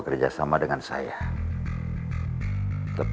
tidak ada yang tahu